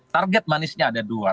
target manisnya ada dua